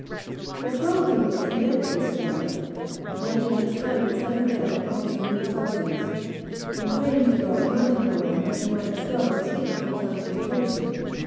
For twelve years he led this life, making experiments every day upon some new substance, and praying to God night and morning that he might discover the secret of transmutation.